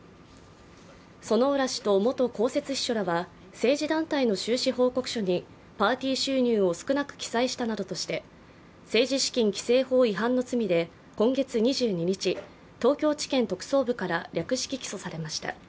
薗浦氏と元公設秘書らは政治団体の収支報告書にパーティー収入を少なく記載したなどとして政治資金規正法違反の罪で今月２２日、東京地検特捜部から略式起訴されました。